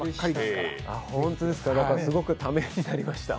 すごくためになりました。